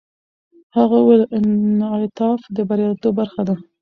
هغه وویل، انعطاف د بریالیتوب برخه ده.